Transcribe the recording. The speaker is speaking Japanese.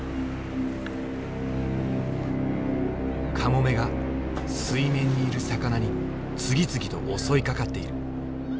カモメが水面にいる魚に次々と襲いかかっている。